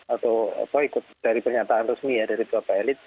atau ikut dari pernyataan resmi dari beberapa elit